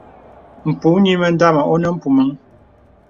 M̄pù nyìmə dāmà onə mpùməŋ.